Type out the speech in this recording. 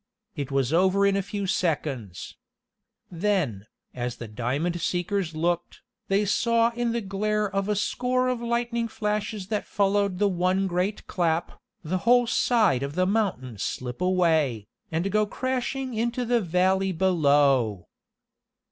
It was over in a few seconds. Then, as the diamond seekers looked, they saw in the glare of a score of lightning flashes that followed the one great clap, the whole side of the mountain slip away, and go crashing into the valley below.